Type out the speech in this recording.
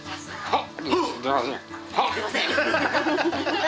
あっ！